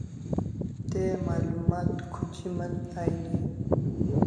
Te malumat khojiman aini